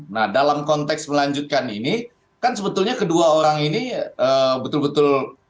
nah dalam konteks melanjutkan ini kan sebetulnya kedua orang ini betul betul